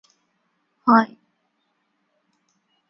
Because these are verbs, they can be inflected for tense.